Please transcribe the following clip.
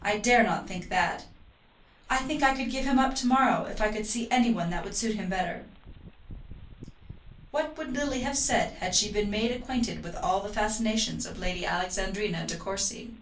I dare not think that. I think I could give him up to morrow, if I could see any one that would suit him better." What would Lily have said had she been made acquainted with all the fascinations of Lady Alexandrina De Courcy?